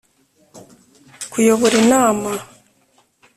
Kuyobora inama